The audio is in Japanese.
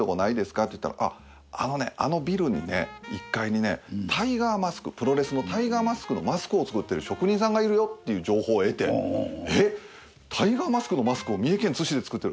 って言ったらあのねあのビルにね１階にねタイガーマスクプロレスのタイガーマスクのマスクを作ってる職人さんがいるよっていう情報を得てえっタイガーマスクのマスクを三重県津市で作ってる？